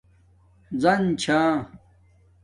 ڎن چھا